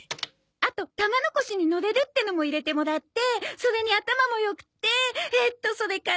あと玉のこしに乗れるっていうのも入れてもらってそれに頭も良くってえっとそれから。